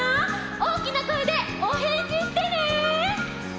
おおきなこえでおへんじしてね！